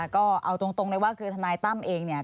ก็เอาตรงเลยว่าคือทนายตั้มเองเนี่ย